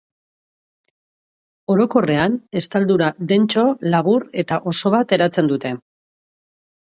Orokorrean estaldura dentso, labur eta oso bat eratzen dute.